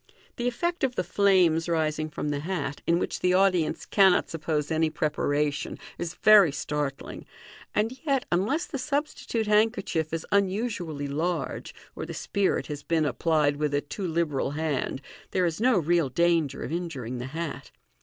The effect of the flames rising from the hat, in which the audience cannot suppose any preparation, is very startling, and yet, unless the substitute handkerchief is unusually large, or the spirit has been applied with a too liberal hand, there is no real danger of injuring the hat.